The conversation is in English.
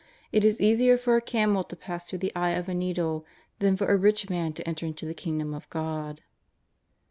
It is eaiier for a camel to pass through the eye of a needle than for a rich man to enter into the Kingdom of God."